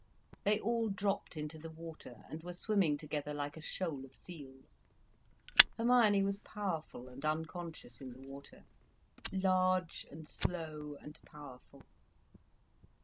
They all dropped into the water, and were swimming together like a shoal of seals. Hermione was powerful and unconscious in the water, large and slow and powerful.